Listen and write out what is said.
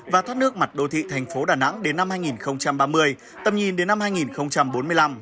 và thoát nước mặt đô thị thành phố đà nẵng đến năm hai nghìn ba mươi tầm nhìn đến năm hai nghìn bốn mươi năm